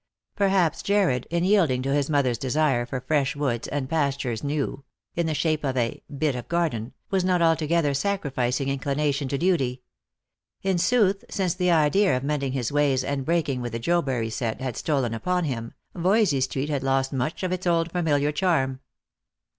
Perhaps Jarred, in yielding to his mother's desire for fresh woods and pastures new — in the shape of " a bit of garden" — was not altogether sacrificing inclination to duty. In sooth, since the idea of mending his ways and breaking with the Jobury set had stolen upon him, Voysey street had lost much of its old familiar charm.